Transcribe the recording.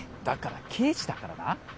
だから刑事だからな？